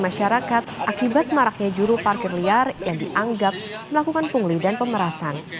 masyarakat akibat maraknya juru parkir liar yang dianggap melakukan pungli dan pemerasan